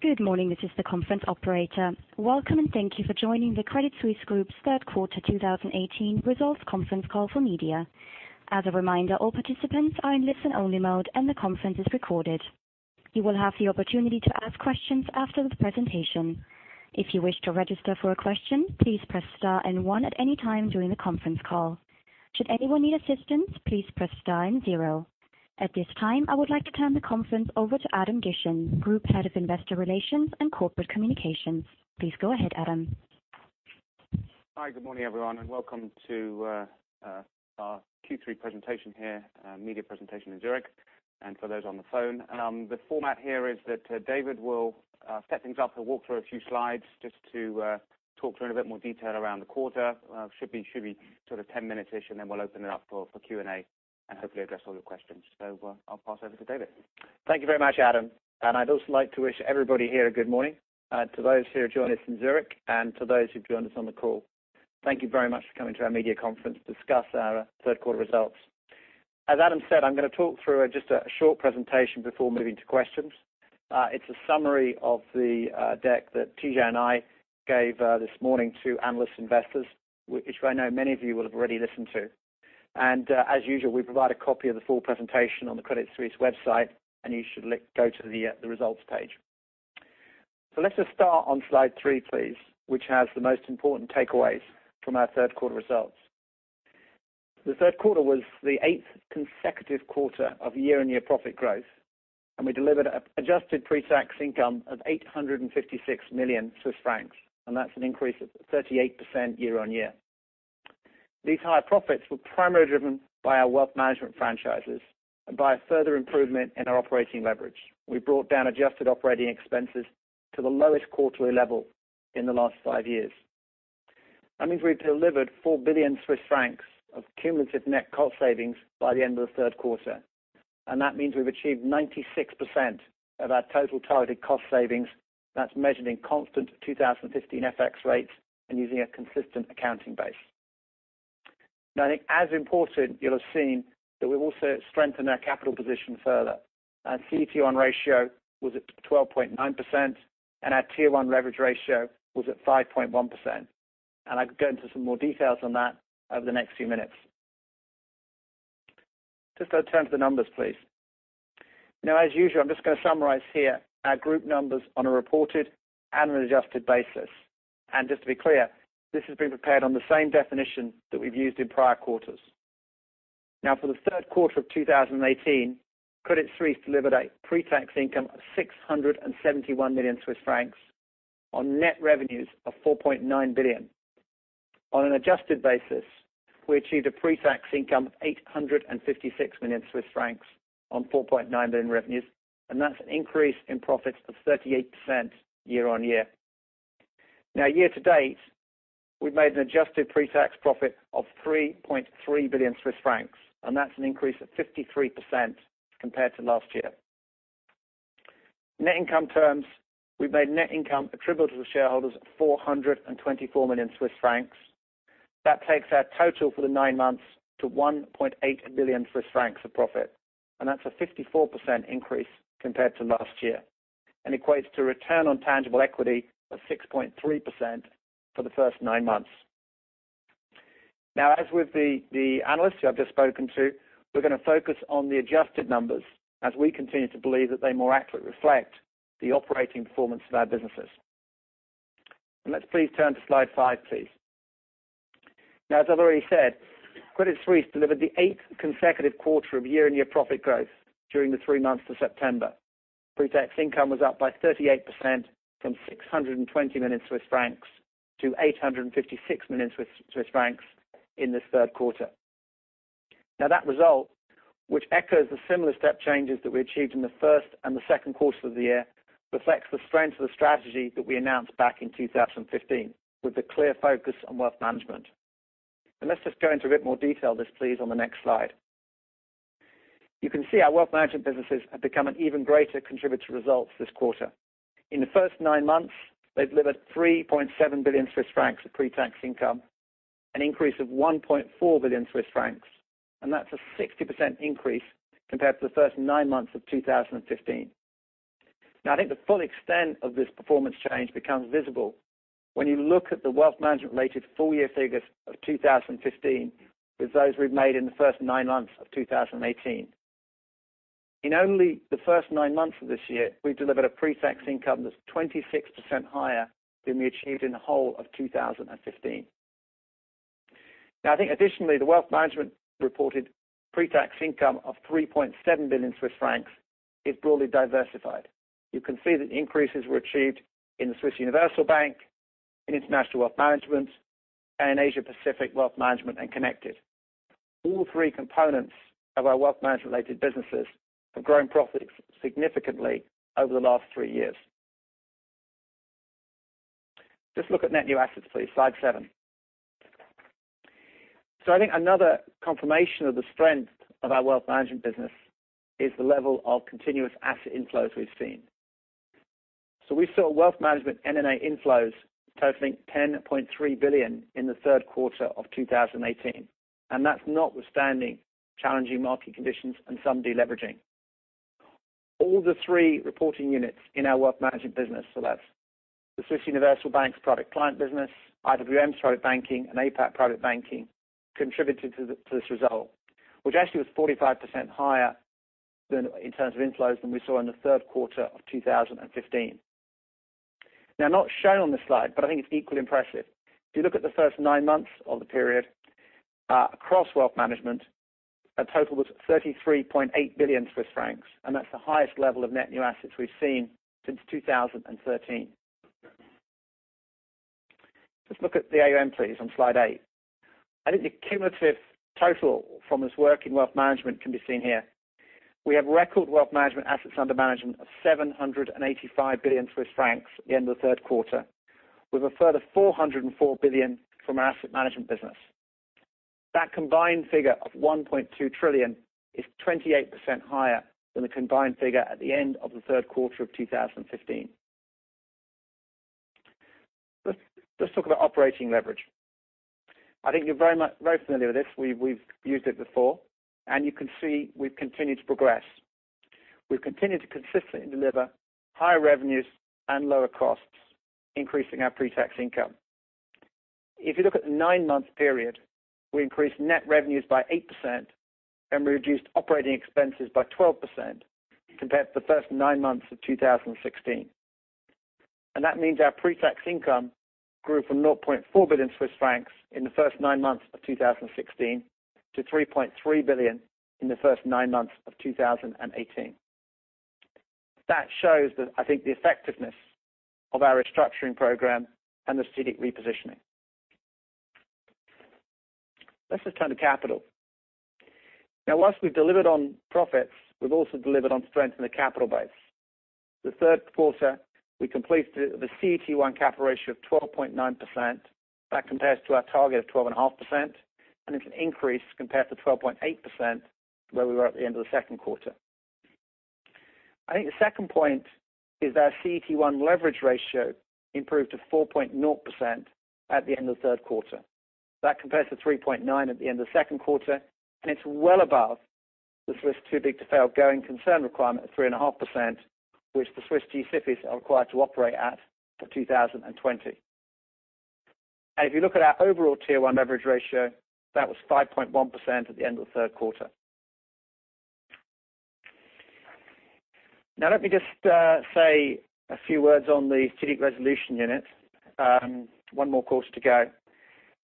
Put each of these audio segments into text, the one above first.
Good morning, this is the conference operator. Welcome and thank you for joining the Credit Suisse Group's third quarter 2018 results conference call for media. As a reminder, all participants are in listen-only mode and the conference is recorded. You will have the opportunity to ask questions after the presentation. If you wish to register for a question, please press star and one at any time during the conference call. Should anyone need assistance, please press star and zero. At this time, I would like to turn the conference over to Adam Gishen, Group Head of Investor Relations and Corporate Communications. Please go ahead, Adam. Hi, good morning, everyone, and welcome to our Q3 presentation here, media presentation in Zurich. For those on the phone, the format here is that David will set things up. He'll walk through a few slides just to talk through in a bit more detail around the quarter. Should be sort of 10 minutes-ish. Then we'll open it up for Q&A and hopefully address all your questions. I'll pass over to David. Thank you very much, Adam. I'd also like to wish everybody here a good morning to those who have joined us in Zurich and to those who've joined us on the call. Thank you very much for coming to our media conference to discuss our third quarter results. As Adam said, I'm going to talk through just a short presentation before moving to questions. It's a summary of the deck that TJ and I gave this morning to analyst investors, which I know many of you will have already listened to. As usual, we provide a copy of the full presentation on the Credit Suisse website. You should go to the results page. Let's just start on slide three, please, which has the most important takeaways from our third quarter results. The third quarter was the eighth consecutive quarter of year-on-year profit growth. We delivered adjusted pre-tax income of 856 million Swiss francs, and that's an increase of 38% year-on-year. These higher profits were primarily driven by our wealth management franchises and by a further improvement in our operating leverage. We brought down adjusted operating expenses to the lowest quarterly level in the last five years. That means we've delivered 4 billion Swiss francs of cumulative net cost savings by the end of the third quarter. That means we've achieved 96% of our total targeted cost savings. That's measured in constant 2015 FX rates and using a consistent accounting base. I think as important, you'll have seen that we've also strengthened our capital position further. Our CET1 ratio was at 12.9% and our Tier 1 leverage ratio was at 5.1%. I could go into some more details on that over the next few minutes. Just turn to the numbers, please. As usual, I'm just going to summarize here our group numbers on a reported and an adjusted basis. Just to be clear, this has been prepared on the same definition that we've used in prior quarters. For the third quarter of 2018, Credit Suisse delivered a pre-tax income of 671 million Swiss francs on net revenues of 4.9 billion. On an adjusted basis, we achieved a pre-tax income of 856 million Swiss francs on 4.9 billion revenues, that's an increase in profits of 38% year-on-year. Year to date, we've made an adjusted pre-tax profit of 3.3 billion Swiss francs, that's an increase of 53% compared to last year. Net income terms, we've made net income attributable to shareholders of 424 million Swiss francs. That takes our total for the nine months to 1.8 billion Swiss francs of profit, and that's a 54% increase compared to last year and equates to return on tangible equity of 6.3% for the first nine months. As with the analysts who I've just spoken to, we're going to focus on the adjusted numbers as we continue to believe that they more accurately reflect the operating performance of our businesses. Let's please turn to slide five, please. As I've already said, Credit Suisse delivered the eighth consecutive quarter of year-on-year profit growth during the three months to September. Pre-tax income was up by 38% from 620 million Swiss francs to 856 million Swiss francs in this third quarter. That result, which echoes the similar step changes that we achieved in the first and the second quarter of the year, reflects the strength of the strategy that we announced back in 2015 with the clear focus on Wealth Management. Let's just go into a bit more detail on this, please, on the next slide. You can see our Wealth Management businesses have become an even greater contributor to results this quarter. In the first nine months, they've delivered 3.7 billion Swiss francs of pre-tax income, an increase of 1.4 billion Swiss francs, and that's a 60% increase compared to the first nine months of 2015. I think the full extent of this performance change becomes visible when you look at the Wealth Management related full year figures of 2015 with those we've made in the first nine months of 2018. In only the first nine months of this year, we've delivered a pre-tax income that's 26% higher than we achieved in the whole of 2015. I think additionally, the Wealth Management reported pre-tax income of 3.7 billion Swiss francs is broadly diversified. You can see that increases were achieved in the Swiss Universal Bank, in International Wealth Management, and Asia Pacific Wealth Management and Connected. All three components of our Wealth Management related businesses have grown profits significantly over the last three years. Just look at Net New Assets, please. Slide seven. I think another confirmation of the strength of our Wealth Management business is the level of continuous asset inflows we've seen. We saw Wealth Management M&A inflows totaling 10.3 billion in the third quarter of 2018, and that's notwithstanding challenging market conditions and some deleveraging. All the three reporting units in our wealth management business, so that's the Swiss Universal Bank's private client business, IWM's private banking, and APAC private banking, contributed to this result, which actually was 45% higher in terms of inflows than we saw in the third quarter of 2015. Not shown on this slide, but I think it's equally impressive. If you look at the first nine months of the period, across wealth management, our total was 33.8 billion Swiss francs, and that's the highest level of net new assets we've seen since 2013. Let's look at the AUM, please, on slide eight. I think the cumulative total from this work in wealth management can be seen here. We have record wealth management assets under management of 785 billion Swiss francs at the end of the third quarter, with a further 404 billion from our asset management business. That combined figure of 1.2 trillion is 28% higher than the combined figure at the end of the third quarter of 2015. Let's talk about operating leverage. I think you're very familiar with this. We've used it before, and you can see we've continued to progress. We've continued to consistently deliver higher revenues and lower costs, increasing our pre-tax income. If you look at the nine-month period, we increased net revenues by 8% and reduced operating expenses by 12% compared to the first nine months of 2016. That means our pre-tax income grew from 0.4 billion Swiss francs in the first nine months of 2016 to 3.3 billion in the first nine months of 2018. That shows, I think, the effectiveness of our restructuring program and the strategic repositioning. Let's just turn to capital. Whilst we've delivered on profits, we've also delivered on strength in the capital base. The third quarter, we completed the CET1 capital ratio of 12.9%. That compares to our target of 12.5%, and it's an increase compared to 12.8% where we were at the end of the second quarter. I think the second point is our CET1 leverage ratio improved to 4.0% at the end of the third quarter. That compares to 3.9% at the end of the second quarter, and it's well above the Swiss too-big-to-fail going concern requirement of 3.5%, which the Swiss G-SIFIs are required to operate at for 2020. If you look at our overall Tier 1 leverage ratio, that was 5.1% at the end of the third quarter. Let me just say a few words on the Strategic Resolution Unit. One more quarter to go.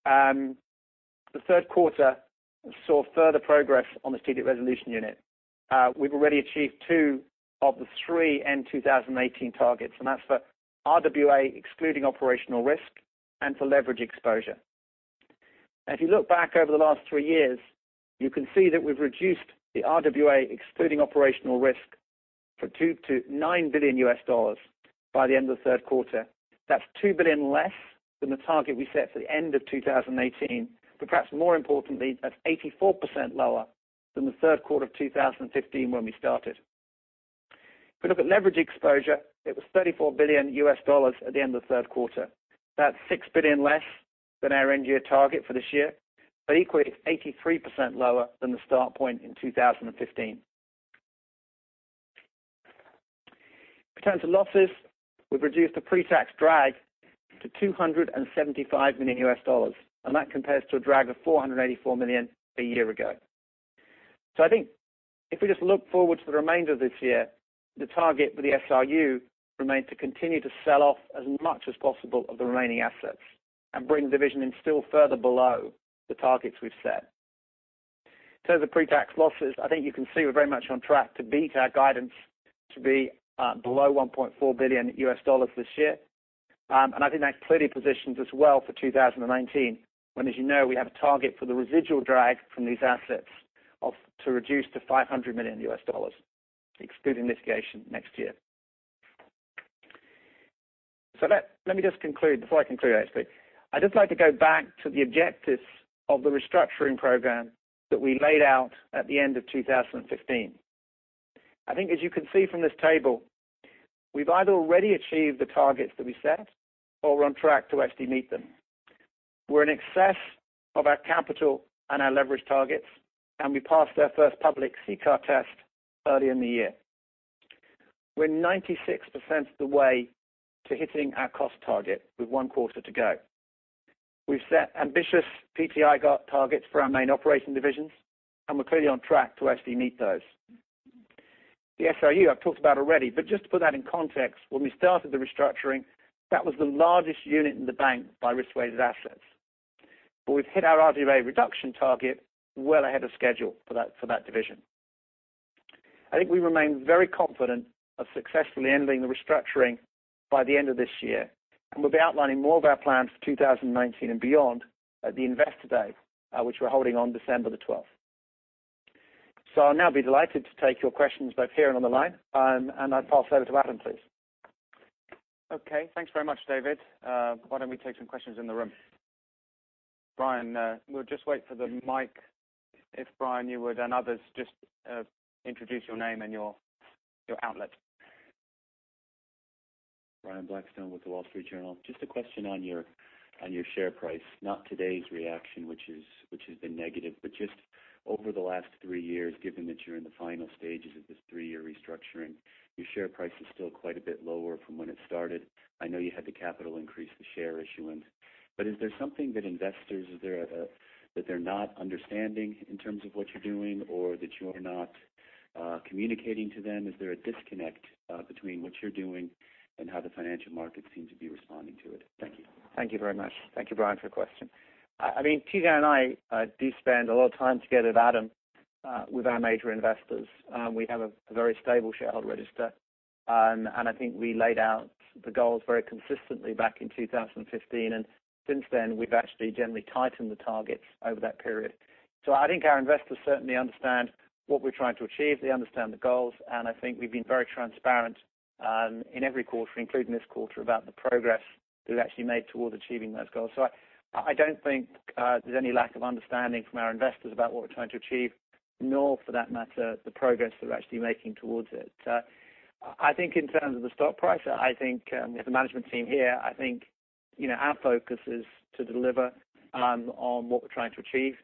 The third quarter saw further progress on the Strategic Resolution Unit. We've already achieved two of the three end 2018 targets, and that's for RWA, excluding operational risk, and for leverage exposure. If you look back over the last three years, you can see that we've reduced the RWA, excluding operational risk, for $9 billion by the end of the third quarter. That's $2 billion less than the target we set for the end of 2018. Perhaps more importantly, that's 84% lower than the third quarter of 2015 when we started. If we look at leverage exposure, it was $34 billion at the end of the third quarter. That's $6 billion less than our end-year target for this year, but equally, it's 83% lower than the start point in 2015. If we turn to losses, we've reduced the pre-tax drag to $275 million. That compares to a drag of $484 million a year ago. I think if we just look forward to the remainder of this year, the target for the SRU remains to continue to sell off as much as possible of the remaining assets and bring the division in still further below the targets we've set. In terms of pre-tax losses, I think you can see we're very much on track to beat our guidance to be below $1.4 billion this year. I think that clearly positions us well for 2019, when, as you know, we have a target for the residual drag from these assets to reduce to $500 million, excluding litigation next year. Let me just conclude. Before I conclude, actually, I'd just like to go back to the objectives of the Restructuring Program that we laid out at the end of 2015. I think as you can see from this table, we've either already achieved the targets that we set or we're on track to actually meet them. We're in excess of our capital and our leverage targets, and we passed our first public CCAR test earlier in the year. We're 96% of the way to hitting our cost target with one quarter to go. We've set ambitious PTI targets for our main operating divisions, and we're clearly on track to actually meet those. The SRU I've talked about already, but just to put that in context, when we started the restructuring, that was the largest unit in the bank by risk-weighted assets. We've hit our RWA reduction target well ahead of schedule for that division. I think we remain very confident of successfully ending the restructuring by the end of this year, and we'll be outlining more of our plans for 2019 and beyond at the Investor Day, which we're holding on December the 12th. I'll now be delighted to take your questions both here and on the line, and I pass over to Adam, please. Thanks very much, David. Why don't we take some questions in the room? Brian, we'll just wait for the mic. If Brian, you would, and others, just introduce your name and your outlet. Brian Blackstone with The Wall Street Journal. Just a question on your share price. Not today's reaction, which has been negative, but just over the last 3 years, given that you're in the final stages of this 3-year restructuring, your share price is still quite a bit lower from when it started. I know you had the capital increase, the share issuance. Is there something that investors, that they're not understanding in terms of what you're doing or that you are not communicating to them? Is there a disconnect between what you're doing and how the financial markets seem to be responding to it? Thank you. Thank you very much. Thank you, Brian, for your question. Tidjane and I do spend a lot of time together, Adam, with our major investors. We have a very stable shareholder register. I think we laid out the goals very consistently back in 2015, and since then, we've actually generally tightened the targets over that period. I think our investors certainly understand what we're trying to achieve. They understand the goals, and I think we've been very transparent in every quarter, including this quarter, about the progress we've actually made towards achieving those goals. I don't think there's any lack of understanding from our investors about what we're trying to achieve, nor for that matter, the progress that we're actually making towards it. I think in terms of the stock price, as a management team here, I think our focus is to deliver on what we're trying to achieve.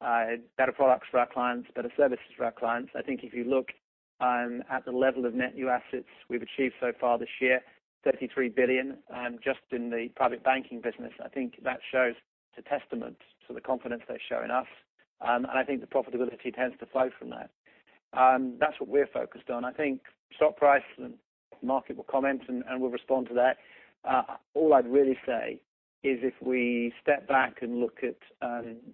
Better products for our clients, better services for our clients. I think if you look at the level of Net New Assets we've achieved so far this year, 33 billion just in the private banking business. I think that shows it's a testament to the confidence they show in us. I think the profitability tends to flow from that. That's what we're focused on. I think stock price and market will comment, and we'll respond to that. All I'd really say is if we step back and look at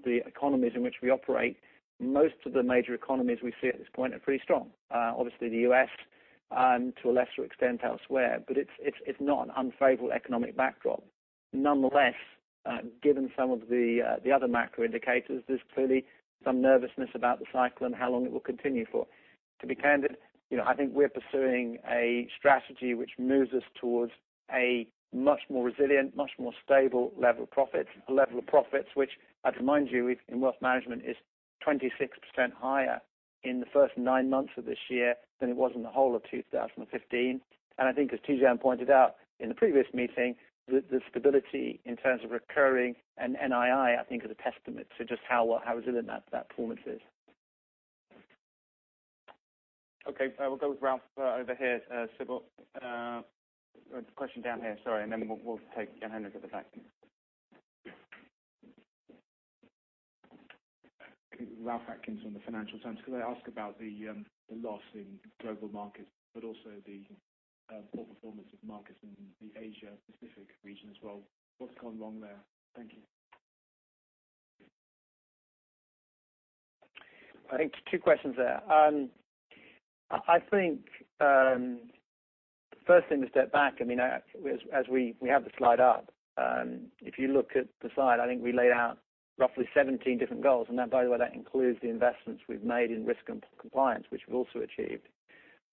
the economies in which we operate, most of the major economies we see at this point are pretty strong. Obviously, the U.S., to a lesser extent elsewhere, but it's not an unfavorable economic backdrop. Nonetheless, given some of the other macro indicators, there's clearly some nervousness about the cycle and how long it will continue for. To be candid, I think we're pursuing a strategy which moves us towards a much more resilient, much more stable level of profits. A level of profits which I'd remind you, in wealth management is 26% higher in the first nine months of this year than it was in the whole of 2015. I think as Tidjane pointed out in the previous meeting, the stability in terms of recurring and NII, I think, is a testament to just how resilient that performance is. Okay. We'll go with Ralph over here, Civil. Question down here, sorry, and then we'll take Henrik at the back. Ralph Atkins from the Financial Times. Could I ask about the loss in Global Markets, but also the poor performance of markets in the Asia-Pacific region as well. What's gone wrong there? Thank you. I think two questions there. I think first thing to step back, as we have the slide up. If you look at the slide, I think we laid out roughly 17 different goals, and by the way, that includes the investments we've made in risk and compliance, which we've also achieved.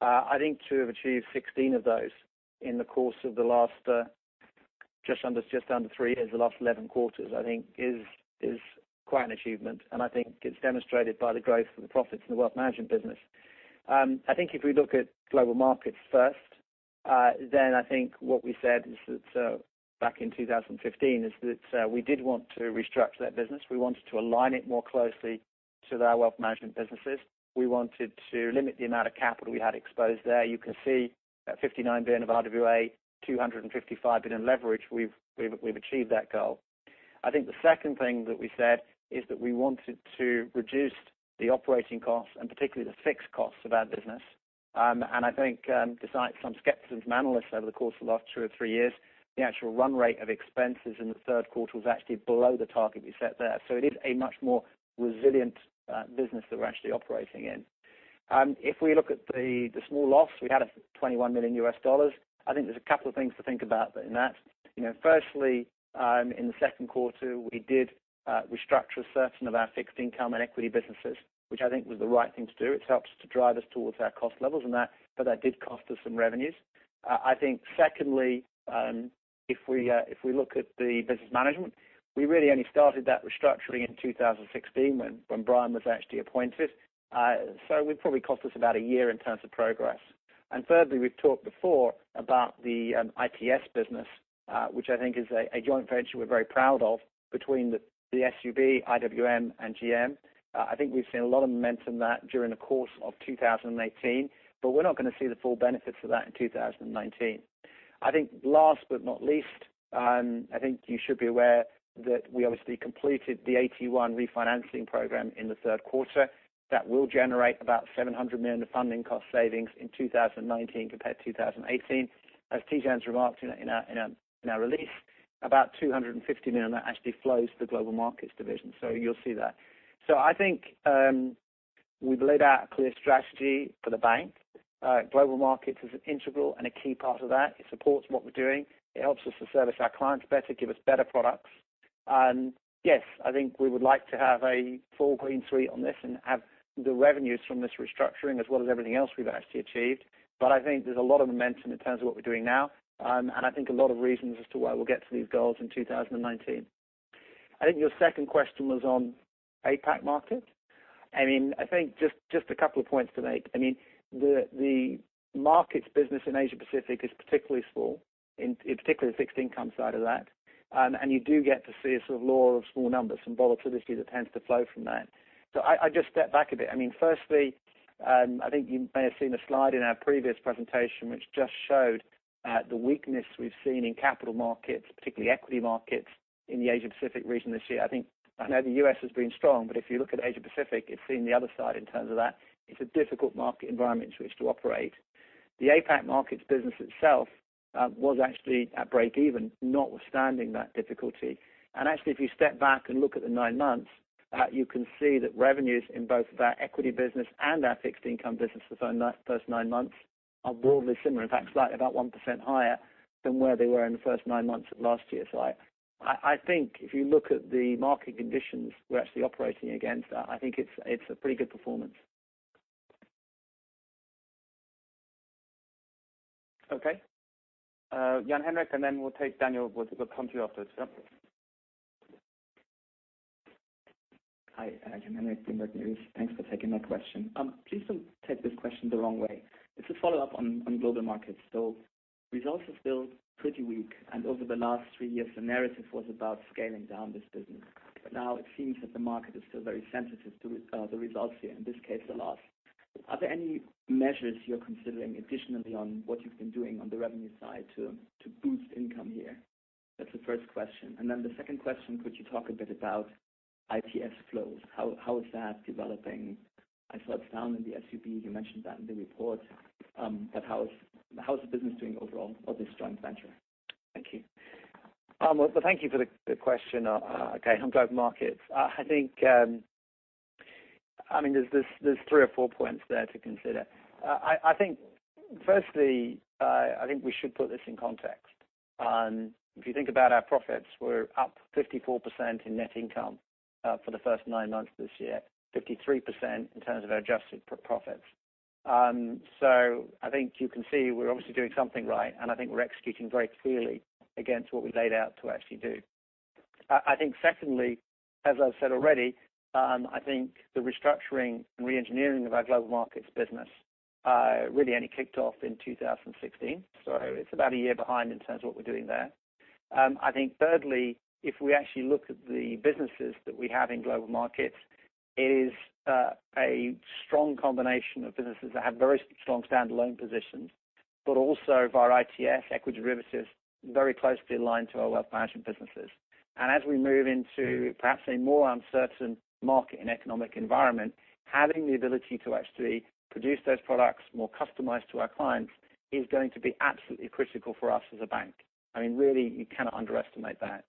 I think to have achieved 16 of those in the course of just under three years, the last 11 quarters, I think is quite an achievement, and I think it's demonstrated by the growth and the profits in the Wealth Management business. If we look at Global Markets first, I think what we said back in 2015 is that we did want to restructure that business. We wanted to align it more closely to our Wealth Management businesses. We wanted to limit the amount of capital we had exposed there. You can see that 59 billion of RWA, 255 billion leverage, we've achieved that goal. I think the second thing that we said is that we wanted to reduce the operating costs and particularly the fixed costs of our business. I think despite some skepticism from analysts over the course of the last two or three years, the actual run rate of expenses in the third quarter was actually below the target we set there. It is a much more resilient business that we're actually operating in. If we look at the small loss, we had at $21 million. I think there's a couple of things to think about in that. Firstly, in the second quarter, we did restructure certain of our fixed income and equity businesses, which I think was the right thing to do. It's helped to drive us towards our cost levels, but that did cost us some revenues. I think secondly, if we look at the business management, we really only started that restructuring in 2016 when Brian was actually appointed. It probably cost us about a year in terms of progress. Thirdly, we've talked before about the ITS business, which I think is a joint venture we're very proud of between the SUB, IWM and GM. I think we've seen a lot of momentum in that during the course of 2018, but we're not going to see the full benefits of that in 2019. I think last but not least, I think you should be aware that we obviously completed the AT1 refinancing program in the third quarter. That will generate about 700 million of funding cost savings in 2019 compared to 2018. As Tidjane's remarked in our release, about 250 million that actually flows to the Global Markets division. You'll see that. I think we've laid out a clear strategy for the bank. Global Markets is an integral and a key part of that. It supports what we're doing. It helps us to service our clients better, give us better products. Yes, I think we would like to have a full clean sweep on this and have the revenues from this restructuring as well as everything else we've actually achieved. I think there's a lot of momentum in terms of what we're doing now, and I think a lot of reasons as to why we'll get to these goals in 2019.I think your second question was on APAC Markets. I think just a couple of points to make. The markets business in Asia-Pacific is particularly small, in particularly the fixed income side of that. You do get to see a sort of law of small numbers and volatility that tends to flow from that. I just step back a bit. Firstly, I think you may have seen a slide in our previous presentation, which just showed the weakness we've seen in capital markets, particularly equity markets in the Asia-Pacific region this year. I know the U.S. has been strong, but if you look at Asia-Pacific, it's seen the other side in terms of that. It's a difficult market environment in which to operate. The APAC Markets business itself was actually at breakeven, notwithstanding that difficulty. Actually, if you step back and look at the nine months, you can see that revenues in both our equity business and our fixed income business for the first nine months are broadly similar. In fact, slightly about 1% higher than where they were in the first nine months of last year. I think if you look at the market conditions, we're actually operating against that. I think it's a pretty good performance. Okay. Jan-Henrik, then we'll take Daniel Wauthier. We'll come to you after this, yeah? Jan-Henrik Foerster, Bloomberg News. Thanks for taking my question. Please don't take this question the wrong way. It's a follow-up on Global Markets. Results are still pretty weak, and over the last 3 years, the narrative was about scaling down this business. Now it seems that the market is still very sensitive to the results here. In this case, the loss. Are there any measures you're considering additionally on what you've been doing on the revenue side to boost income here? That's the first question. The second question, could you talk a bit about ITS flows? How is that developing? I saw it's down in the SUB. You mentioned that in the report. How is the business doing overall of this joint venture? Thank you. Well, thank you for the question. Okay. On Global Markets. I think there's 3 or 4 points there to consider. Firstly, I think we should put this in context. If you think about our profits, we're up 54% in net income for the first 9 months of this year. 53% in terms of our adjusted profits. I think you can see we're obviously doing something right, and I think we're executing very clearly against what we laid out to actually do. I think secondly, as I've said already, I think the restructuring and re-engineering of our Global Markets business really only kicked off in 2016. It's about a year behind in terms of what we're doing there. I think thirdly, if we actually look at the businesses that we have in Global Markets, is a strong combination of businesses that have very strong standalone positions, but also via our ITS equity derivatives, very closely aligned to our Wealth Management businesses. As we move into perhaps a more uncertain market and economic environment, having the ability to actually produce those products more customized to our clients is going to be absolutely critical for us as a bank. Really, you cannot underestimate that.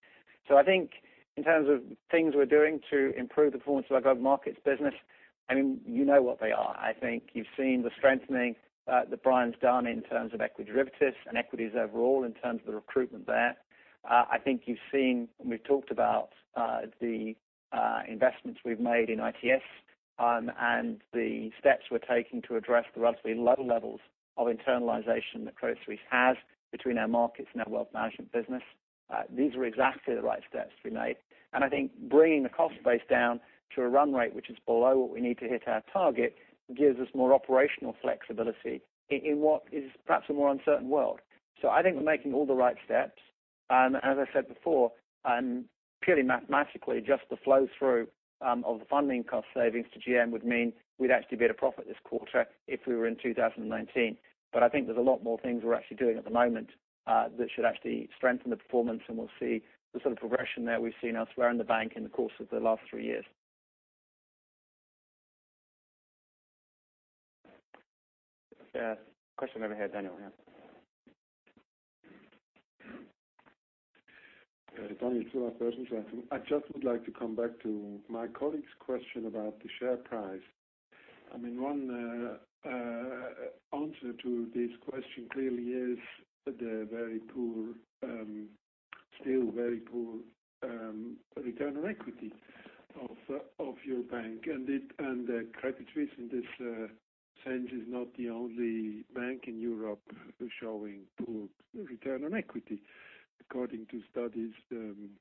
I think in terms of things we're doing to improve the performance of our Global Markets business, you know what they are. I think you've seen the strengthening that Brian's done in terms of equity derivatives and equities overall in terms of the recruitment there. I think you've seen, we've talked about the investments we've made in ITS, and the steps we're taking to address the relatively low levels of internalization that Credit Suisse has between our markets and our Wealth Management business. These are exactly the right steps to be made. I think bringing the cost base down to a run rate, which is below what we need to hit our target, gives us more operational flexibility in what is perhaps a more uncertain world. I think we're making all the right steps. As I said before, purely mathematically, just the flow-through of the funding cost savings to GM would mean we'd actually be at a profit this quarter if we were in 2019. I think there's a lot more things we're actually doing at the moment that should actually strengthen the performance, and we'll see the sort of progression there we've seen elsewhere in the bank in the course of the last three years. Yeah. Question over here, Daniel, yeah. Daniel from Reuters. I just would like to come back to my colleague's question about the share price. One answer to this question clearly is the very poor, still very poor return on equity of your bank. Credit Suisse in this sense is not the only bank in Europe showing poor return on equity. According to studies, 90%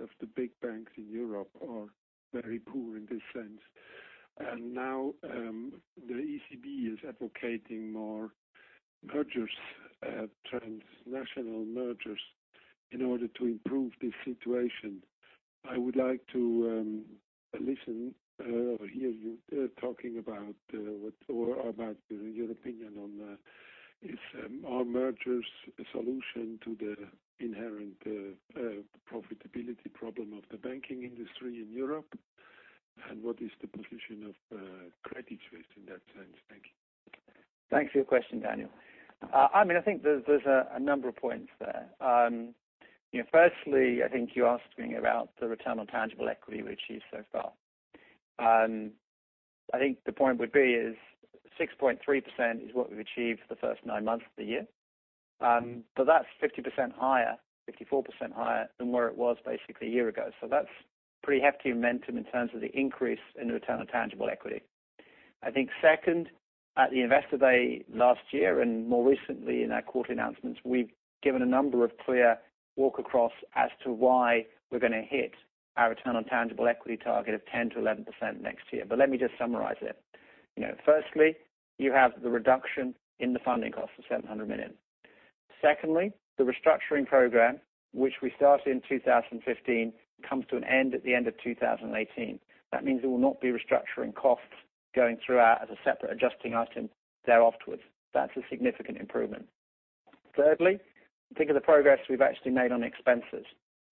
of the big banks in Europe are very poor in this sense. Now the ECB is advocating more mergers, transnational mergers, in order to improve this situation. I would like to listen or hear you talking about your opinion on are mergers a solution to the inherent profitability problem of the banking industry in Europe? What is the position of Credit Suisse in that sense? Thank you. Thanks for your question, Daniel. I think there's a number of points there. Firstly, I think you're asking about the return on tangible equity we achieved so far. I think the point would be is 6.3% is what we've achieved for the first nine months of the year. That's 50% higher, 54% higher than where it was basically a year ago. That's pretty hefty momentum in terms of the increase in return on tangible equity. I think second, at the Investor Day last year, and more recently in our quarterly announcements, we've given a number of clear walk across as to why we're going to hit our return on tangible equity target of 10%-11% next year. Let me just summarize it. Firstly, you have the reduction in the funding cost of 700 million. Secondly, the restructuring program, which we started in 2015, comes to an end at the end of 2018. That means there will not be restructuring costs going throughout as a separate adjusting item there afterwards. That's a significant improvement. Thirdly, think of the progress we've actually made on expenses.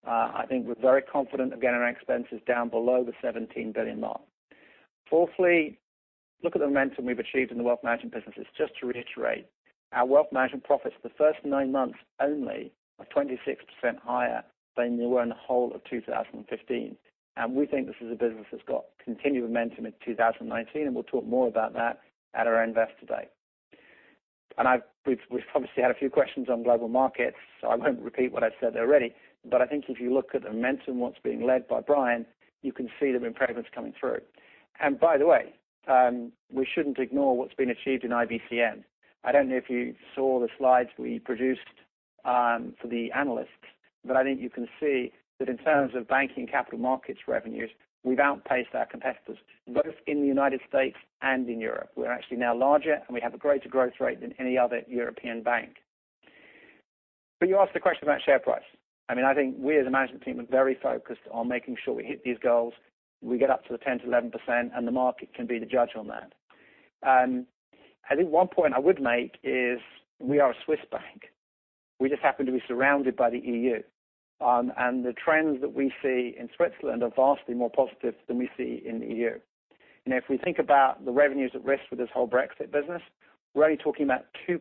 I think we're very confident of getting our expenses down below the 17 billion mark. Fourthly, look at the momentum we've achieved in the wealth management businesses. Just to reiterate, our wealth management profits the first nine months only are 26% higher than they were in the whole of 2015. We think this is a business that's got continued momentum in 2019, and we'll talk more about that at our Investor Day. We've obviously had a few questions on Global Markets, so I won't repeat what I've said already. I think if you look at the momentum, what's being led by Brian, you can see the improvements coming through. By the way, we shouldn't ignore what's been achieved in IBCM. I don't know if you saw the slides we produced for the analysts, but I think you can see that in terms of banking capital markets revenues, we've outpaced our competitors, both in the United States and in Europe. We're actually now larger, and we have a greater growth rate than any other European bank. You asked the question about share price. I think we as a management team are very focused on making sure we hit these goals, we get up to the 10%-11%, and the market can be the judge on that. I think one point I would make is we are a Swiss bank. We just happen to be surrounded by the EU. The trends that we see in Switzerland are vastly more positive than we see in the EU. If we think about the revenues at risk with this whole Brexit business, we're only talking about 2%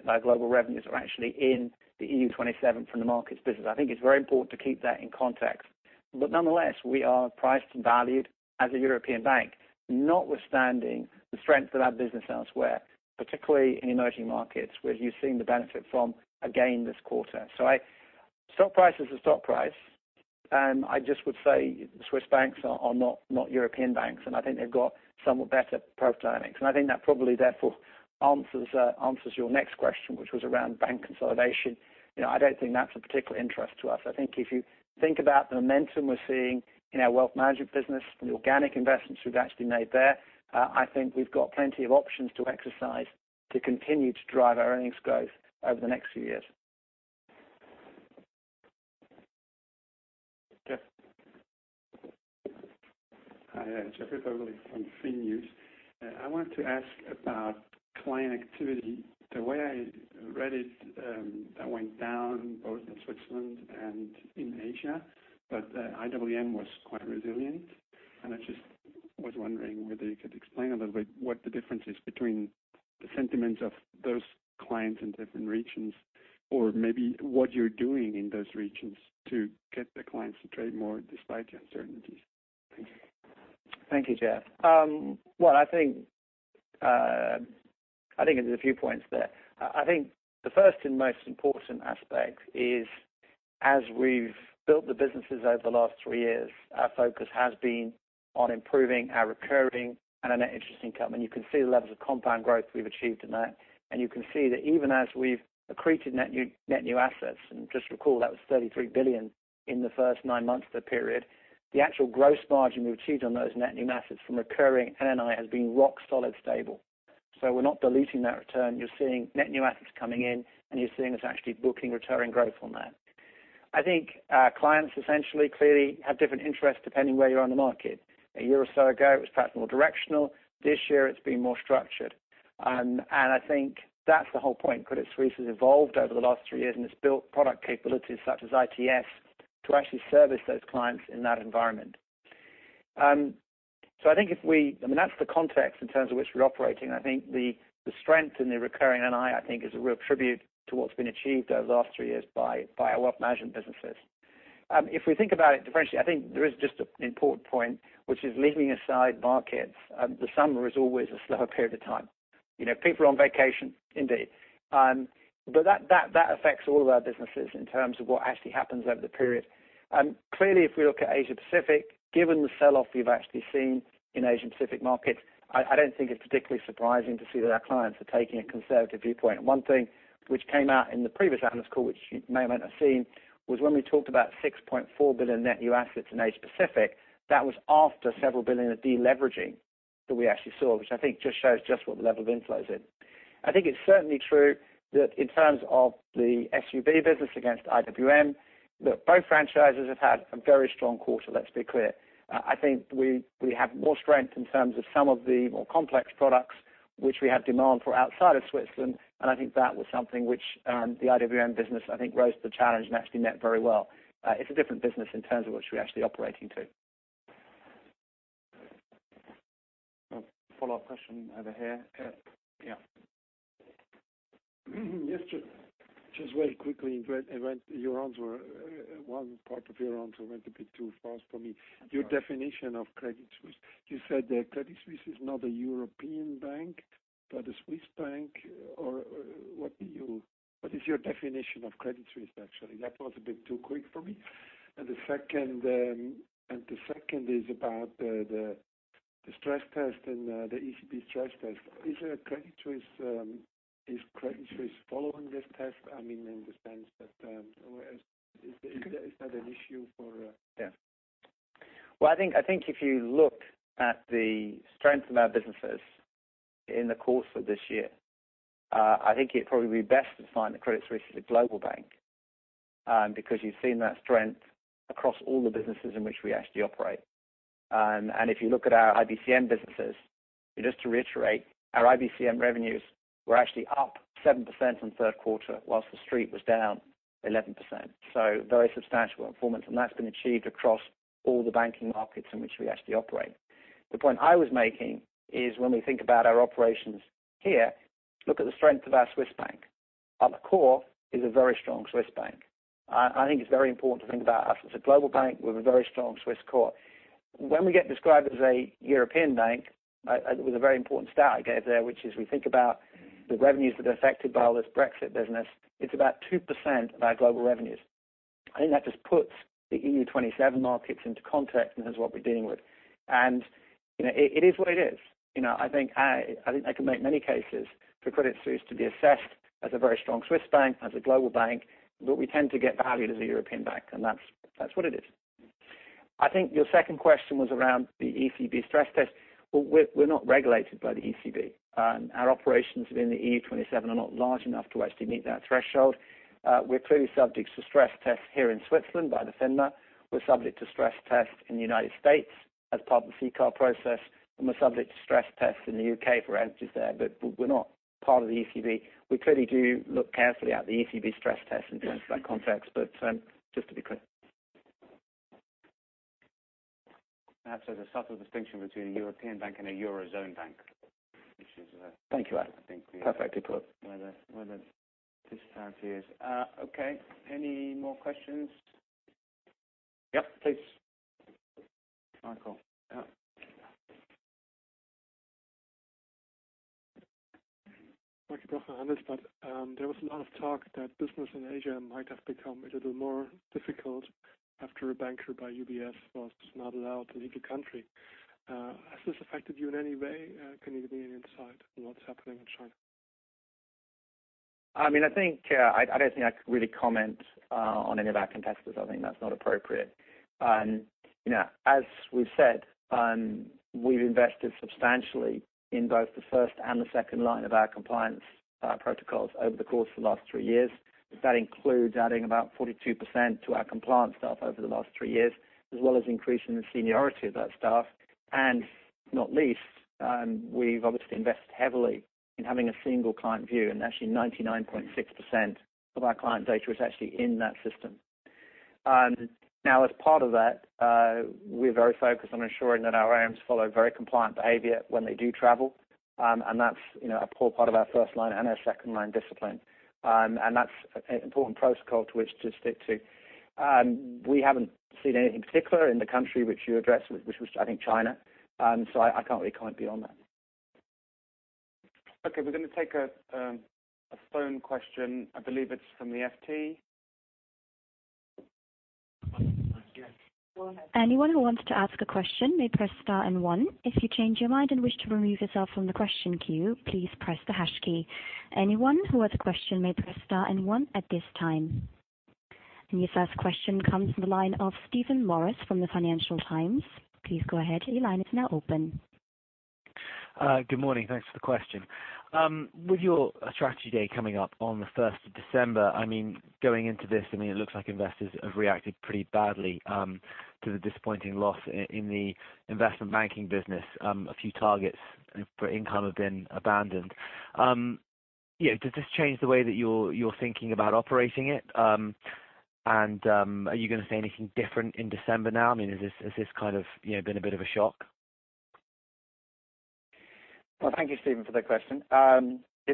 of our global revenues are actually in the EU-27 from the markets business. I think it's very important to keep that in context. Nonetheless, we are priced and valued as a European bank, notwithstanding the strength of our business elsewhere, particularly in emerging markets, where you've seen the benefit from again this quarter. Stock price is a stock price. I just would say Swiss banks are not European banks, and I think they've got somewhat better profile earnings. I think that probably, therefore, answers your next question, which was around bank consolidation. I don't think that's of particular interest to us. I think if you think about the momentum we're seeing in our wealth management business and the organic investments we've actually made there, I think we've got plenty of options to exercise to continue to drive our earnings growth over the next few years. Jeff. Hi. Jeffrey Vögeli from finews.ch. I wanted to ask about client activity. The way I read it, that went down both in Switzerland and in Asia, but IWM was quite resilient. I just was wondering whether you could explain a little bit what the difference is between the sentiments of those clients in different regions or maybe what you're doing in those regions to get the clients to trade more despite the uncertainties. Thank you. Thank you, Jeff. Well, I think there's a few points there. I think the first and most important aspect is as we've built the businesses over the last three years, our focus has been on improving our recurring and our net interest income. You can see the levels of compound growth we've achieved in that, and you can see that even as we've accreted net new assets, just recall that was 33 billion in the first nine months of the period, the actual gross margin we achieved on those net new assets from recurring NNI has been rock solid stable. We're not diluting that return. You're seeing net new assets coming in, and you're seeing us actually booking returning growth on that. I think our clients essentially clearly have different interests depending where you are on the market. A year or so ago, it was practical directional. This year it's been more structured. I think that's the whole point. Credit Suisse has evolved over the last three years, and it's built product capabilities such as ITS to actually service those clients in that environment. That's the context in terms of which we're operating. I think the strength in the recurring NNI, I think is a real tribute to what's been achieved over the last three years by our wealth management businesses. If we think about it differentially, I think there is just an important point, which is leaving aside markets, the summer is always a slower period of time. People are on vacation indeed. That affects all of our businesses in terms of what actually happens over the period. Clearly, if we look at Asia Pacific, given the sell-off we've actually seen in Asia Pacific markets, I don't think it's particularly surprising to see that our clients are taking a conservative viewpoint. One thing which came out in the previous analyst call, which you may or may not have seen, was when we talked about 6.4 billion net new assets in Asia Pacific. That was after several billion of deleveraging that we actually saw, which I think just shows what the level of inflows in. I think it's certainly true that in terms of the SUB business against IWM, that both franchises have had a very strong quarter, let's be clear. I think we have more strength in terms of some of the more complex products which we have demand for outside of Switzerland, and I think that was something which the IWM business, I think, rose to the challenge and actually met very well. It's a different business in terms of which we're actually operating to. Follow-up question over here. Yeah. Yes. Just very quickly, one part of your answer went a bit too fast for me. Your definition of Credit Suisse. You said that Credit Suisse is not a European bank. By the Swiss Bank, or what is your definition of Credit Suisse, actually? That was a bit too quick for me. The second is about the stress test and the ECB stress test. Is Credit Suisse following this test? In the sense that, is that an issue for- Yeah. Well, I think if you look at the strength of our businesses in the course of this year, I think it'd probably be best to define Credit Suisse as a global bank, because you've seen that strength across all the businesses in which we actually operate. If you look at our IBCM businesses, just to reiterate, our IBCM revenues were actually up 7% in the third quarter, whilst the street was down 11%. Very substantial performance, and that's been achieved across all the banking markets in which we actually operate. The point I was making is when we think about our operations here, look at the strength of our Swiss Bank. At the core is a very strong Swiss Bank. I think it's very important to think about us as a global bank with a very strong Swiss core. When we get described as a European bank, it was a very important stat I gave there, which is we think about the revenues that are affected by all this Brexit business. It's about 2% of our global revenues. I think that just puts the EU 27 markets into context and is what we're dealing with. It is what it is. I think I could make many cases for Credit Suisse to be assessed as a very strong Swiss bank, as a global bank, but we tend to get valued as a European bank, and that's what it is. I think your second question was around the ECB stress test. Well, we're not regulated by the ECB. Our operations within the EU 27 are not large enough to actually meet that threshold. We're clearly subject to stress tests here in Switzerland by the FINMA. We're subject to stress tests in the United States as part of the CCAR process, and we're subject to stress tests in the U.K. for entities there. We're not part of the ECB. We clearly do look carefully at the ECB stress test in terms of that context, but just to be clear. Perhaps there's a subtle distinction between a European bank and a Eurozone bank. Thank you. Perfectly put. where the disparity is. Okay. Any more questions? Yep. Please. Michael. Yeah. Hannes. There was a lot of talk that business in Asia might have become a little more difficult after a banker by UBS was not allowed to leave the country. Has this affected you in any way? Can you give me an insight on what's happening in China? I don't think I can really comment on any of our competitors. I think that's not appropriate. As we've said, we've invested substantially in both the first and the second line of our compliance protocols over the course of the last three years. That includes adding about 42% to our compliance staff over the last three years, as well as increasing the seniority of that staff, not least, we've obviously invested heavily in having a Single Client View, and actually 99.6% of our client data is actually in that system. Now, as part of that, we're very focused on ensuring that our AMs follow very compliant behavior when they do travel. That's a core part of our first line and our second line discipline. That's an important protocol to which to stick to. We haven't seen anything particular in the country which you address, which was, I think, China. I can't really comment beyond that. Okay. We're going to take a phone question. I believe it's from the FT. Anyone who wants to ask a question may press star and one. If you change your mind and wish to remove yourself from the question queue, please press the hash key. Anyone who has a question may press star and one at this time. Your first question comes from the line of Stephen Morris from the Financial Times. Please go ahead. Your line is now open. Good morning. Thanks for the question. With your Investor Day coming up on the 1st of December, going into this, it looks like investors have reacted pretty badly to the disappointing loss in the investment banking business. A few targets for income have been abandoned. Does this change the way that you're thinking about operating it? Are you going to say anything different in December now? Has this been a bit of a shock? Well, thank you, Stephen, for that question.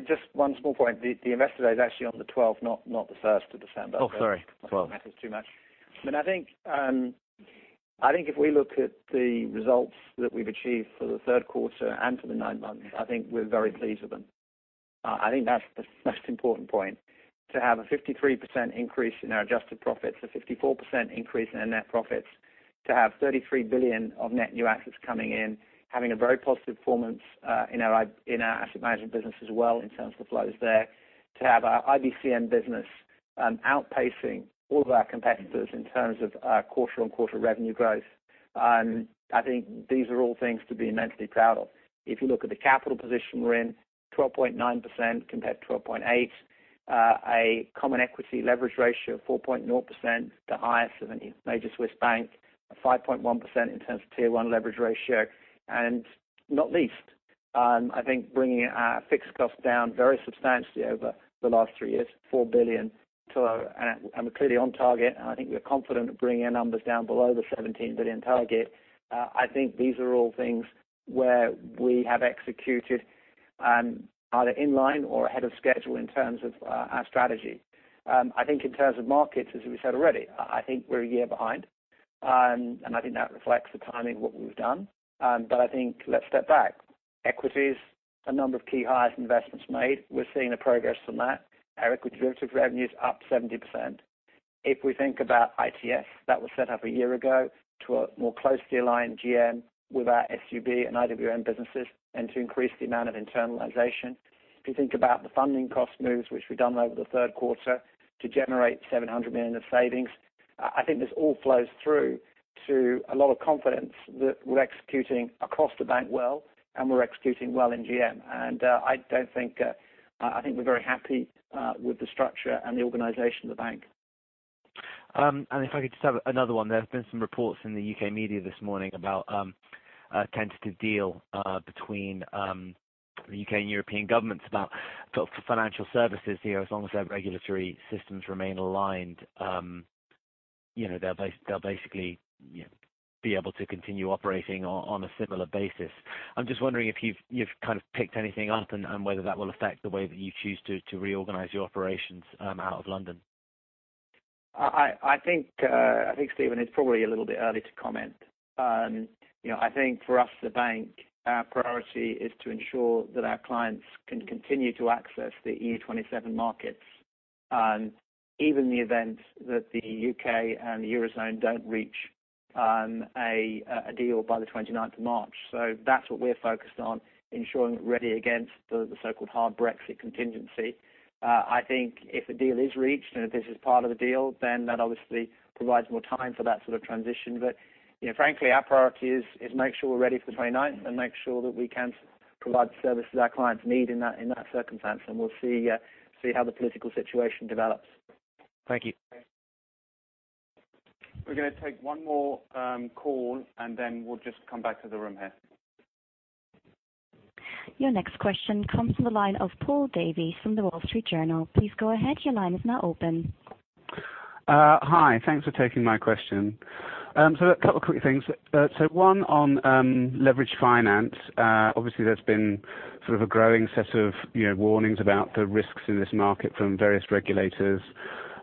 Just one small point. The Investor Day is actually on the 12th, not the 1st of December. Oh, sorry. 12th. Not that it matters too much. I think if we look at the results that we've achieved for the third quarter and for the nine months, I think we're very pleased with them. I think that's the most important point, to have a 53% increase in our adjusted profits, a 54% increase in our net profits, to have 33 billion of net new assets coming in, having a very positive performance in our asset management business as well in terms of the flows there. To have our IBCM business outpacing all of our competitors in terms of quarter-on-quarter revenue growth. I think these are all things to be immensely proud of. If you look at the capital position we're in, 12.9% compared to 12.8%. A common equity leverage ratio of 4.0%, the highest of any major Swiss bank. A 5.1% in terms of Tier 1 leverage ratio. Not least, I think bringing our fixed cost down very substantially over the last 3 years, 4 billion. We're clearly on target, and I think we're confident of bringing our numbers down below the 17 billion target. I think these are all things where we have executed either in line or ahead of schedule in terms of our strategy. I think in terms of markets, as we said already, I think we're a year behind. I think that reflects the timing of what we've done. I think let's step back. Equities, a number of key hires and investments made. We're seeing the progress from that. Our equity derivative revenue is up 70%. If we think about ITS, that was set up a year ago to more closely align GM with our SUB and IWM businesses and to increase the amount of internalization. If you think about the funding cost moves, which we've done over the third quarter to generate 700 million of savings, I think this all flows through to a lot of confidence that we're executing across the bank well, and we're executing well in GM. I think we're very happy with the structure and the organization of the bank. If I could just have another one. There have been some reports in the U.K. media this morning about a tentative deal between the U.K. and European governments about financial services here, as long as their regulatory systems remain aligned. They'll basically be able to continue operating on a similar basis. I'm just wondering if you've picked anything up and whether that will affect the way that you choose to reorganize your operations out of London. I think, Stephen, it's probably a little bit early to comment. I think for us, the bank, our priority is to ensure that our clients can continue to access the EU 27 markets, even in the event that the U.K. and the Eurozone don't reach a deal by the 29th of March. That's what we're focused on, ensuring we're ready against the so-called hard Brexit contingency. I think if the deal is reached and if this is part of the deal, then that obviously provides more time for that sort of transition. Frankly, our priority is make sure we're ready for the 29th and make sure that we can provide the services our clients need in that circumstance. We'll see how the political situation develops. Thank you. We're going to take one more call, then we'll just come back to the room here. Your next question comes from the line of Paul Davies from The Wall Street Journal. Please go ahead. Your line is now open. Hi. Thanks for taking my question. A couple of quick things. One on leveraged finance. Obviously, there's been sort of a growing set of warnings about the risks in this market from various regulators.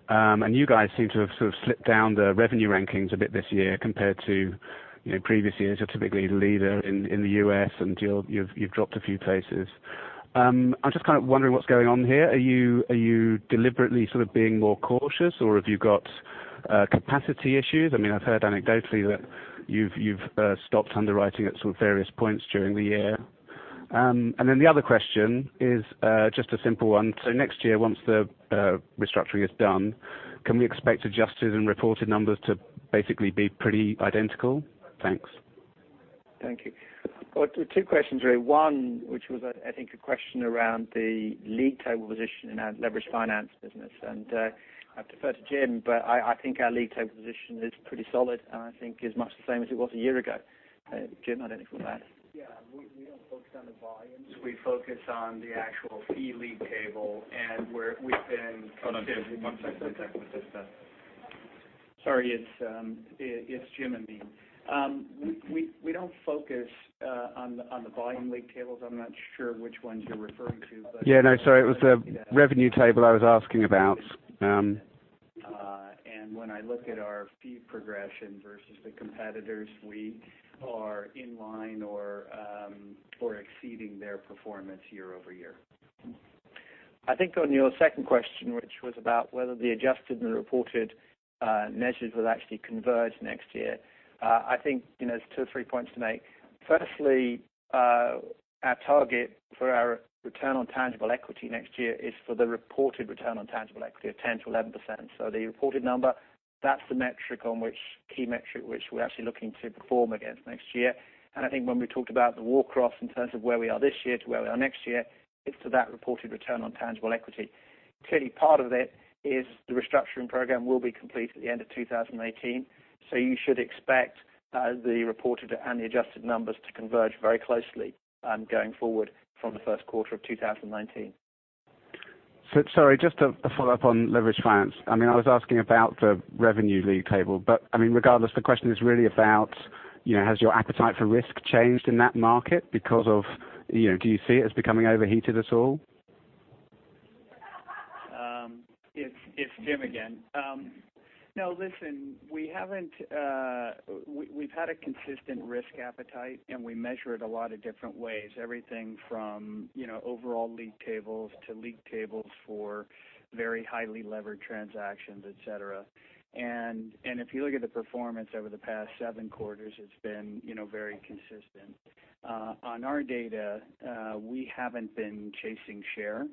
You guys seem to have sort of slipped down the revenue rankings a bit this year compared to previous years. You're typically the leader in the U.S., you've dropped a few places. I'm just kind of wondering what's going on here. Are you deliberately being more cautious, or have you got capacity issues? I've heard anecdotally that you've stopped underwriting at various points during the year. The other question is just a simple one. Next year, once the restructuring is done, can we expect adjusted and reported numbers to basically be pretty identical? Thanks. Thank you. Well, two questions really. One, which was, I think a question around the league table position in our leveraged finance business. I'd defer to Jim, but I think our league table position is pretty solid, and I think is much the same as it was a year ago. Jim, I don't know if you want to add. Yeah, we don't focus on the volumes. We focus on the actual fee league table, and we've been consistent. Hold on one second. Sorry, it's Jim Amine. We don't focus on the volume league tables. I'm not sure which ones you're referring to, but. Yeah, no, sorry. It was the revenue table I was asking about. When I look at our fee progression versus the competitors, we are in line or exceeding their performance year-over-year. I think on your second question, which was about whether the adjusted and the reported measures will actually converge next year, I think there's two or three points to make. Firstly, our target for our return on tangible equity next year is for the reported return on tangible equity of 10%-11%. The reported number, that's the key metric which we're actually looking to perform against next year. I think when we talked about the walk-off in terms of where we are this year to where we are next year, it's to that reported return on tangible equity. Clearly, part of it is the restructuring program will be complete at the end of 2018. You should expect the reported and the adjusted numbers to converge very closely going forward from the first quarter of 2019. Sorry, just to follow up on leveraged finance. I was asking about the revenue league table, regardless, the question is really about has your appetite for risk changed in that market? Do you see it as becoming overheated at all? It's Jim again. Listen, we've had a consistent risk appetite, we measure it a lot of different ways, everything from overall league tables to league tables for very highly leveraged transactions, et cetera. If you look at the performance over the past seven quarters, it's been very consistent. On our data, we haven't been chasing share.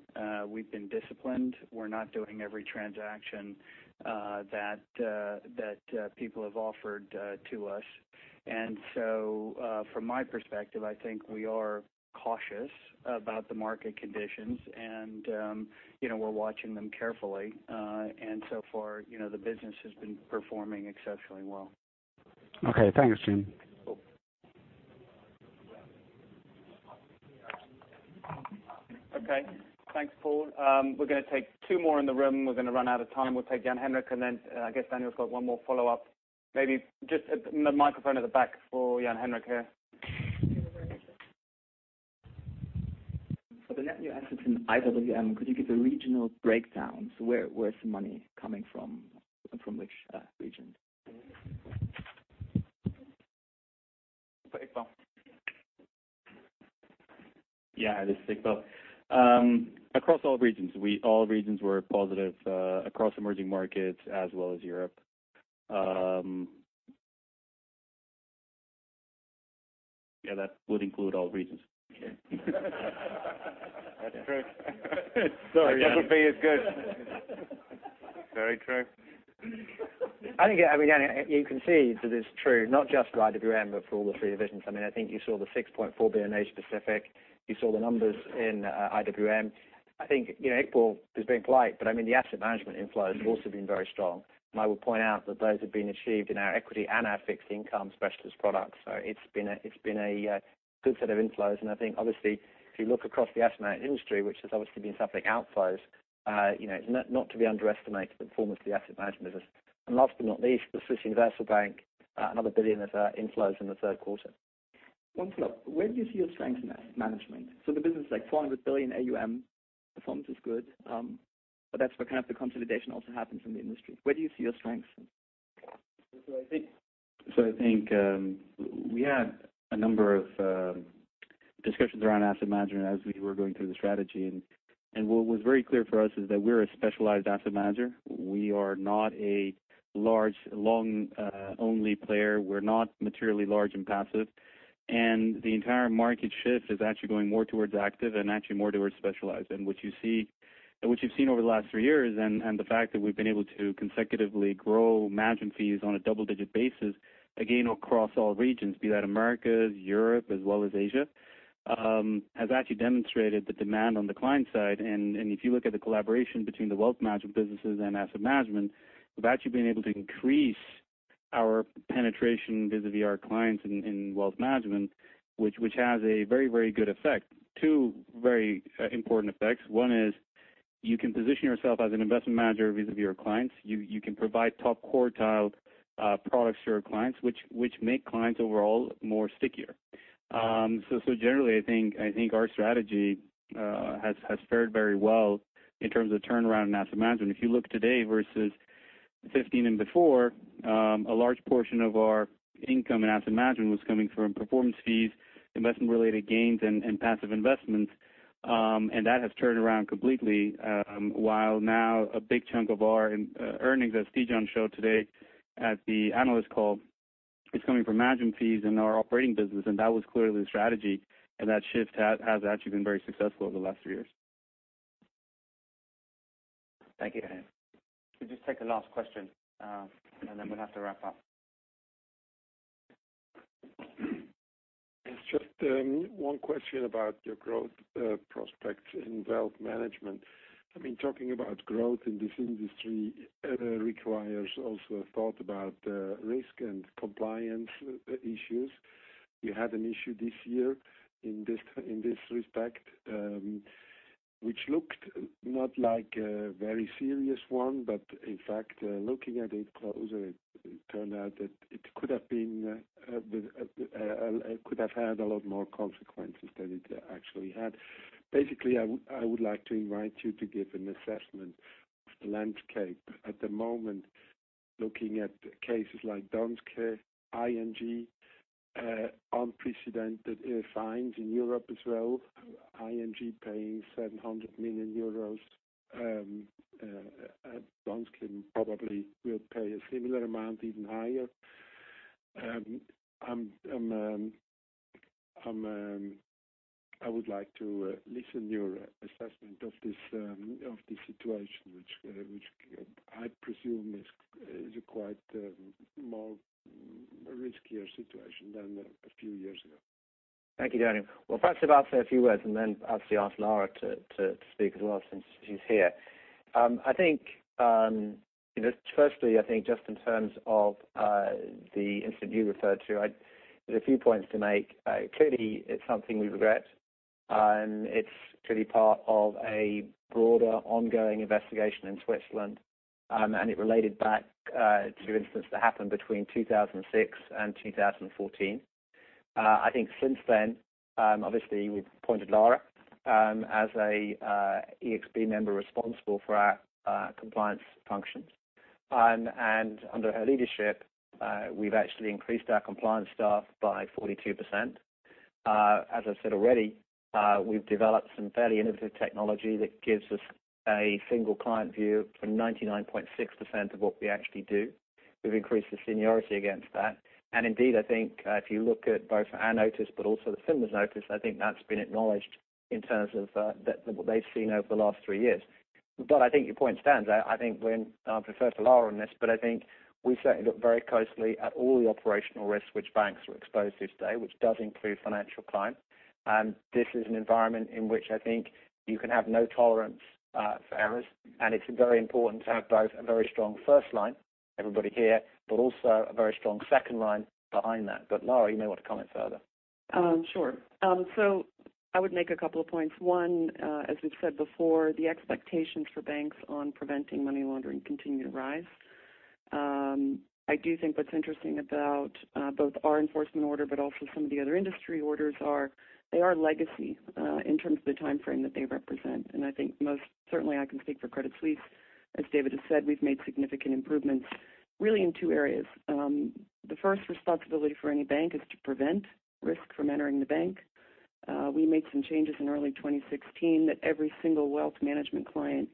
We've been disciplined. We're not doing every transaction that people have offered to us. From my perspective, I think we are cautious about the market conditions, and we're watching them carefully. So far, the business has been performing exceptionally well. Okay, thanks, Jim. Okay, thanks, Paul. We're going to take two more in the room. We're going to run out of time. We'll take Jan Henrik, and then I guess Daniel's got one more follow-up. Maybe just hit the microphone at the back for Jan Henrik here. The net new assets in IWM, could you give a regional breakdown? Where's the money coming from, and from which region? For Iqbal. Yeah, this is Iqbal. Across all regions. All regions were positive, across emerging markets as well as Europe. Yeah, that would include all regions. Okay. That's true. Sorry. That would be as good. Very true. I think, again, you can see that it's true, not just for IWM, but for all the three divisions. I think you saw the 6.4 billion Asia Pacific. You saw the numbers in IWM. I think Iqbal is being polite, but the asset management inflows have also been very strong. I would point out that those have been achieved in our equity and our fixed income specialist products. It's been a good set of inflows, and I think obviously, if you look across the asset management industry, which has obviously been suffering outflows, not to be underestimated the performance of the asset management business. Last but not least, the Swiss Universal Bank, another 1 billion of inflows in the third quarter. One follow-up. Where do you see your strength in asset management? The business is like 400 billion AUM. Performance is good. That's where the consolidation also happens in the industry. Where do you see your strengths? I think we had a number of discussions around asset management as we were going through the strategy. What was very clear for us is that we're a specialized asset manager. We are not a large, long-only player. We're not materially large in passive. The entire market shift is actually going more towards active and actually more towards specialized. What you've seen over the last three years, and the fact that we've been able to consecutively grow management fees on a double-digit basis, again, across all regions, be that Americas, Europe, as well as Asia, has actually demonstrated the demand on the client side. If you look at the collaboration between the wealth management businesses and asset management, we've actually been able to increase our penetration vis-a-vis our clients in wealth management, which has a very, very good effect. Two very important effects. One is you can position yourself as an investment manager vis-a-vis your clients. You can provide top quartile products to your clients, which make clients overall stickier. Generally, I think our strategy has fared very well in terms of turnaround in asset management. If you look today versus 2015 and before, a large portion of our income in asset management was coming from performance fees, investment-related gains, and passive investments. That has turned around completely, while now a big chunk of our earnings, as Tidjane showed today at the analyst call, is coming from management fees and our operating business, and that was clearly the strategy. That shift has actually been very successful over the last few years. Thank you. We'll just take a last question, then we'll have to wrap up. It's just one question about your growth prospects in wealth management. Talking about growth in this industry requires also a thought about risk and compliance issues. You had an issue this year in this respect, which looked not like a very serious one, but in fact, looking at it closer, it turned out that it could have had a lot more consequences than it actually had. Basically, I would like to invite you to give an assessment of the landscape at the moment, looking at cases like Danske, ING, unprecedented fines in Europe as well, ING paying 700 million euros, Danske probably will pay a similar amount, even higher. I would like to listen your assessment of this situation, which I presume is a quite more riskier situation than a few years ago. Thank you, Daniel. Perhaps if I say a few words, then obviously ask Lara to speak as well since she's here. Firstly, I think just in terms of the incident you referred to, there are a few points to make. Clearly, it's something we regret, it's clearly part of a broader ongoing investigation in Switzerland, it related back to incidents that happened between 2006 and 2014. Since then, obviously, we've appointed Lara as an ExB member responsible for our compliance functions. Under her leadership, we've actually increased our compliance staff by 42%. As I said already, we've developed some fairly innovative technology that gives us a Single Client View for 99.6% of what we actually do. We've increased the seniority against that. Indeed, if you look at both our notice, also the FINMA's notice, that's been acknowledged in terms of what they've seen over the last three years. Your point stands out. I'll defer to Lara on this, we certainly look very closely at all the operational risks which banks are exposed to today, which does include financial crime. This is an environment in which I think you can have no tolerance for errors, it's very important to have both a very strong first line, everybody here, also a very strong second line behind that. Lara, you may want to comment further. Sure. I would make a couple of points. One, as we've said before, the expectations for banks on preventing money laundering continue to rise. I do think what's interesting about both our enforcement order, but also some of the other industry orders are they are legacy in terms of the timeframe that they represent. I think most certainly I can speak for Credit Suisse, as David has said, we've made significant improvements really in two areas. The first responsibility for any bank is to prevent risk from entering the bank. We made some changes in early 2016 that every single wealth management client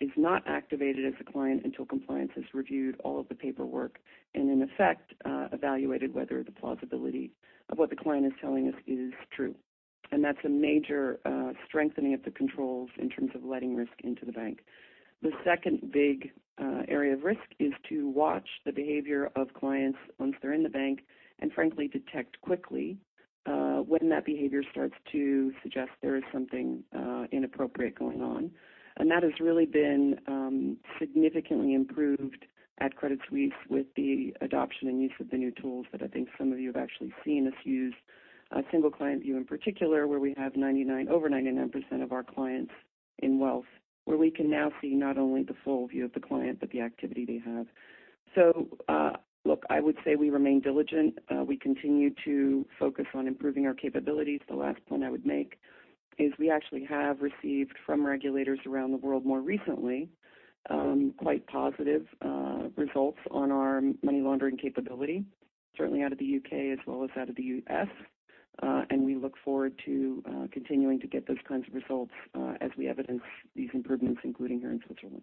is not activated as a client until compliance has reviewed all of the paperwork and in effect, evaluated whether the plausibility of what the client is telling us is true. That's a major strengthening of the controls in terms of letting risk into the bank. The second big area of risk is to watch the behavior of clients once they're in the bank, and frankly, detect quickly when that behavior starts to suggest there is something inappropriate going on. That has really been significantly improved at Credit Suisse with the adoption and use of the new tools that I think some of you have actually seen us use. A Single Client View in particular, where we have over 99% of our clients in wealth, where we can now see not only the full view of the client, but the activity they have. Look, I would say we remain diligent. We continue to focus on improving our capabilities. The last point I would make is we actually have received from regulators around the world more recently, quite positive results on our money laundering capability, certainly out of the U.K. as well as out of the U.S. We look forward to continuing to get those kinds of results as we evidence these improvements, including here in Switzerland.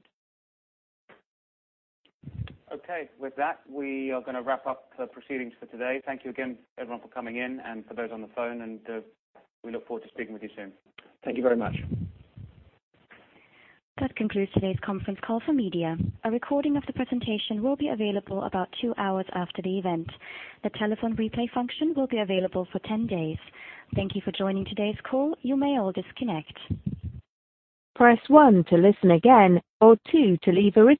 Okay. With that, we are going to wrap up the proceedings for today. Thank you again everyone for coming in and for those on the phone, we look forward to speaking with you soon. Thank you very much. That concludes today's conference call for media. A recording of the presentation will be available about two hours after the event. The telephone replay function will be available for 10 days. Thank you for joining today's call. You may all disconnect. Press one to listen again, or two to leave a.